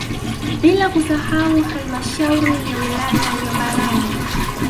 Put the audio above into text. Bila kusahau halmashauri ya wilaya ya Mbarali